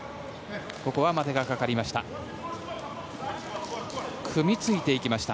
ここは待てがかかりました。